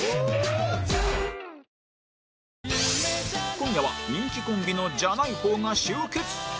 今夜は人気コンビのじゃない方が集結